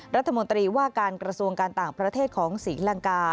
รัฐมนตรีว่าการกระทรวงการต่างประเทศของศรีลังกา